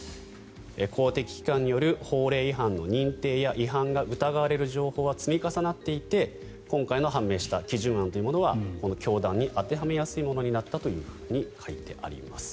公的機関による法令違反の認定や違反が疑われる情報は積み重なっていて今回の判明した基準案というものは教団に当てはめやすいものになったと書いてあります。